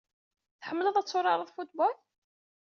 Tḥemmleḍ ad turareḍ football?